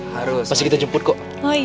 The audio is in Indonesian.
harus pasti kita jemput kok oh iya